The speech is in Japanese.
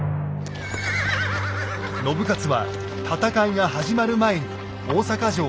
信雄は戦いが始まる前に大坂城を出ます。